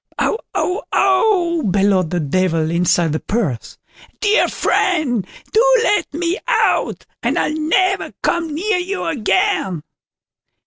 "AU! AU! AU!" bellowed the Devil, inside the purse. "Dear friend, do let me out, and I'll never come near you again."